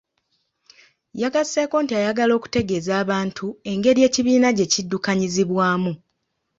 Yagasseeko nti ayagala okutegeeza abantu engeri ekibiina gye kiddukanyizibwamu.